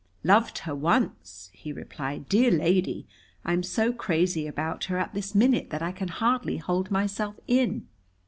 "Loved her once!" he replied. "Dear lady, I'm so crazy about her at this minute that I can hardly hold myself in."